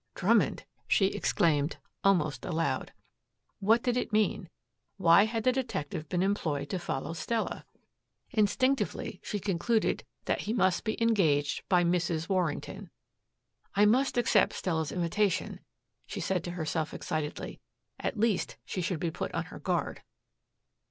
"Drummond," she exclaimed almost aloud. What did it mean? Why had the detective been employed to follow Stella? Instinctively she concluded that he must be engaged by Mrs. Warrington. "I must accept Stella's invitation," she said to herself excitedly. "At least, she should be put on her guard."